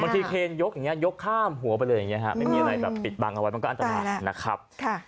ทีเคนยกอย่างนี้ยกข้ามหัวไปเลยอย่างนี้ฮะไม่มีอะไรแบบปิดบังเอาไว้มันก็อันตรายนะครับ